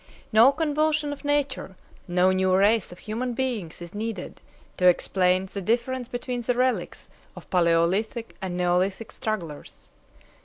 No convulsion of nature, no new race of human beings is needed to explain the difference between the relics of Paleolithic and Neolithic strugglers.